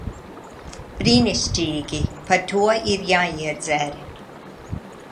Brīnišķīgi. Par to ir jāiedzer.